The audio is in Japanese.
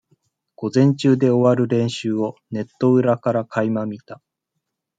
午前中で終わる練習を、ネット裏からかい間見た。